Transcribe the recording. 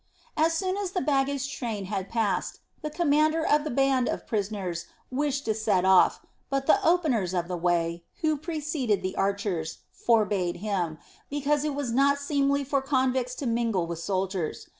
As soon as the baggage train had passed, the commander of the band of prisoners wished to set off, but the "openers of the way," who preceded the archers, forbade him, because it was not seemly for convicts to mingle with soldiers.